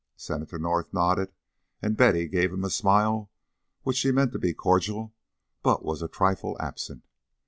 Senator North nodded, and Betty gave him a smile which she meant to be cordial but was a trifle absent.